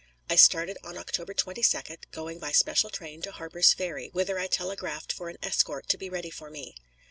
I started on October 22d, going by special train to Harper's Ferry, whither I telegraphed for an escort to be ready for me.